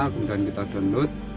kemudian kita download